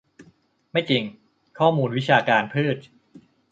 ไม่จริง ข้อมูลวิชาการ พืช